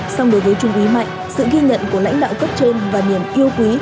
xong đối với trung úy mạnh sự ghi nhận của lãnh đạo cấp trên và niềm yêu quý